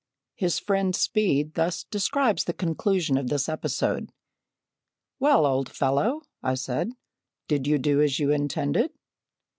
His friend, Speed, thus describes the conclusion of this episode. "Well, old fellow," I said, "did you do as you intended?"